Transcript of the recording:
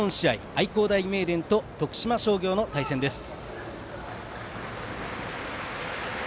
愛工大名電と徳島商業の対戦です。